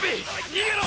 逃げろ！！